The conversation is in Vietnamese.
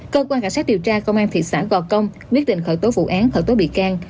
cơ quan cảnh sát điều tra công an thị xã gò công quyết định khởi tố vụ án khởi tố bị can